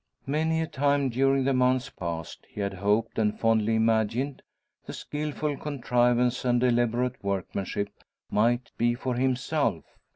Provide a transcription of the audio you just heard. Many a time during the months past, he had hoped, and fondly imagined, the skilful contrivance and elaborate workmanship might be for himself.